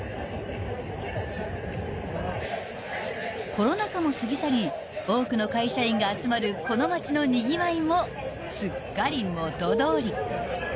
［コロナ禍も過ぎ去り多くの会社員が集まるこの街のにぎわいもすっかり元通り］